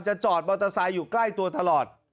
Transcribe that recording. จอดมอเตอร์ไซค์อยู่ใกล้ตัวตลอด